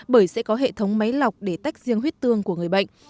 bởi sẽ có hệ thống máy lọc để tách riêng huyết tương của người bệnh